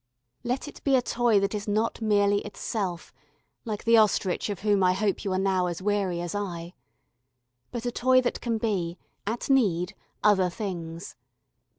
Let it be a toy that is not merely itself, like the ostrich of whom I hope you are now as weary as I, but a toy that can be, at need, other things.